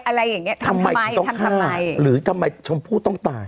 อะไรอย่างเงี้ยทำทำไมทำทำไมหรือทำไมชมผู้ต้องตาย